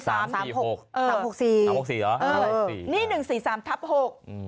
สามสี่หกสามหกสี่สามหกสี่หรอเออนี่หนึ่งสี่สามทับหกอืม